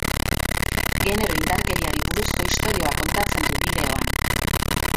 Genero-indarkeriari buruzko istorioa kontatzen du bideoan.